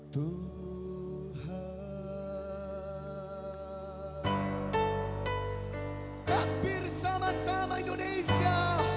tuhan takbir sama sama indonesia